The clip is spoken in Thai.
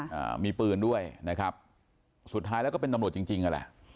อ่ามีปืนด้วยนะครับสุดท้ายแล้วก็เป็นตำรวจจริงจริงนั่นแหละ